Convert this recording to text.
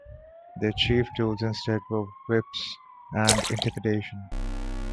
Their chief tools, instead, were whips and intimidation.